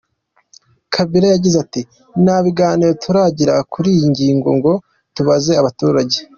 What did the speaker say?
Kabila yagize ati “Nta biganiro turagira kuri iyi ngingo ngo tubaze abaturage.